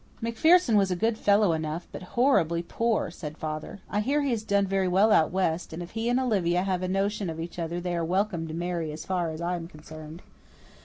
"MacPherson was a good fellow enough, but horribly poor," said father. "I hear he has done very well out west, and if he and Olivia have a notion of each other they are welcome to marry as far as I am concerned.